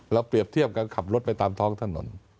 เปรียบเทียบการขับรถไปตามท้องถนน